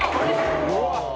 うわっ！